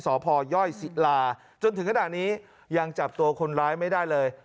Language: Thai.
สพยศิลาจนถึงขณะนี้ยังจับตัวคนร้ายไม่ได้เลย